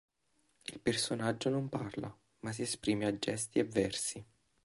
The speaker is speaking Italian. Il personaggio non parla, ma si esprime a gesti e versi.